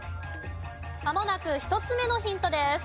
まもなく１つめのヒントです。